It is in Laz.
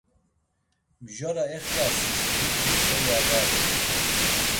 Mjora ext̆asis burbus toli ağaren.